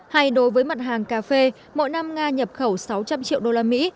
hay đối với mặt hàng cà phê mỗi năm nga nhập khẩu sáu trăm linh triệu usd